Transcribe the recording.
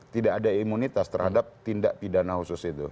tidak ada imunitas terhadap tindak pidana khusus itu